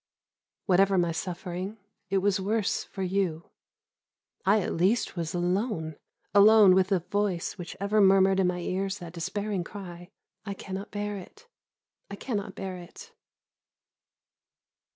Whatever my suffering, it was worse for you; I at least was alone, alone with a voice which ever murmured in my ears that despairing cry, "I cannot bear it, I cannot bear it."